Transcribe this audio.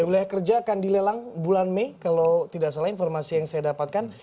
wilayah kerja akan dilelang bulan mei kalau tidak salah informasi yang saya dapatkan